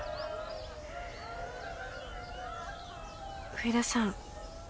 上田さん。